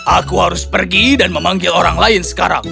aku harus pergi dan memanggil orang lain sekarang